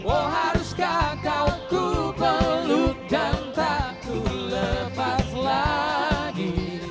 oh haruskah kau ku peluk dan tak ku lepas lagi